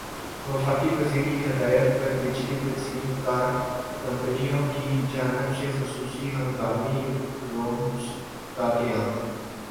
وفاقی وزیر کی ہدایت پر بجلی تقسیم کار کمپنیوں کی جانب سےخصوصی ہنگامی رومز کا قیام